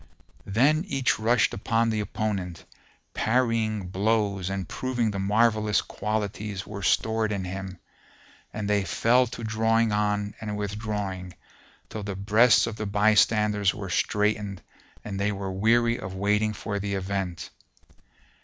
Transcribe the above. ''[FN#451] Then each rushed upon the opponent, parrying blows and proving the marvellous qualities were stored in him; and they fell to drawing on and withdrawing till the breasts of the bystanders were straitened and they were weary of waiting for the event.